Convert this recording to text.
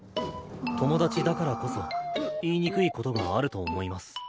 友達だからこそ言いにくいことがあると思います。